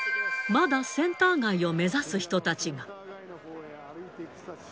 まだセンター街を目指す人たちが。